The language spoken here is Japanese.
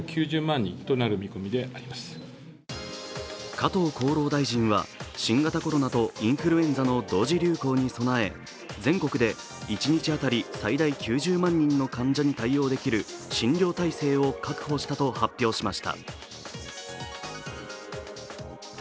加藤厚労大臣は新型コロナとインフルエンザの同時流行に備え、全国で一日当たり最大９０万人の患者に対応できる診療体制を確保したと発表しました。